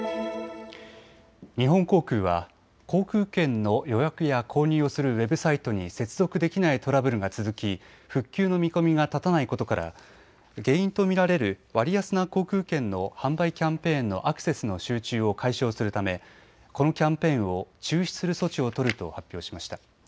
日本航空は航空券の予約や購入をするウェブサイトに接続できないトラブルが続き復旧の見込みが立たないことから原因と見られる割安な航空券の販売キャンペーンのアクセスの集中を解消するためこのキャンペーンを中止する措置を取ると発表しました。